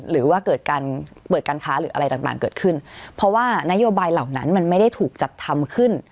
หรือว่าเกิดการเปิดการค้าหรืออะไรต่างเกิดขึ้นเพราะว่านโยบายเหล่านั้นมันไม่ได้ถูกจัดทำขึ้น